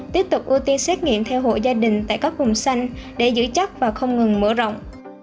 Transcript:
tiếp tục ưu tiên xét nghiệm theo hộ gia đình tại các vùng xanh để giữ chắc và không ngừng mở rộng